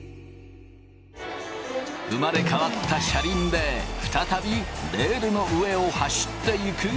生まれ変わった車輪で再びレールの上を走っていく昴